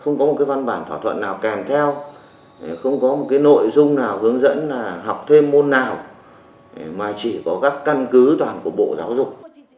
không có một cái văn bản thỏa thuận nào kèm theo không có một cái nội dung nào hướng dẫn là học thêm môn nào mà chỉ có các căn cứ toàn của bộ giáo dục